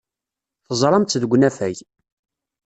Teẓram-tt deg unafag.